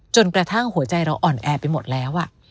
จนกระทั่งหัวใจเราอ่อนแอไปหมดแล้ว